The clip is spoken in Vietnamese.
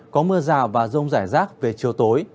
có mưa rào và rông rải rác về chiều tối